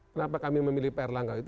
kenapa kami memilih pr langgau itu